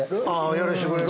◆やらせてくれる？